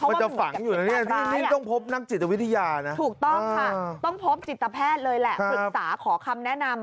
มันจะฝังอยู่ในที่นี้ต้องพบนักจิตวิทยานะถูกต้องค่ะต้องพบจิตแพทย์เลยแหละปรึกษาขอคำแนะนำ